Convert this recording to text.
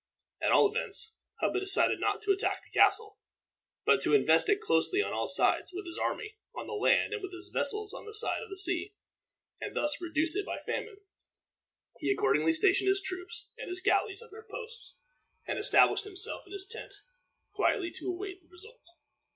At all events, Hubba decided not to attack the castle, but to invest it closely on all sides, with his army on the land and with his vessels on the side of the sea, and thus reduce it by famine. He accordingly stationed his troops and his galleys at their posts and established himself in his tent, quietly to await the result.